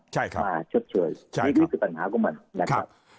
ใช่ครับมาเชิดเฉยใช่ครับนี่ก็คือปัญหากับมันนะครับ